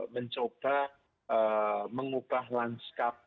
mencoba mengubah lanskap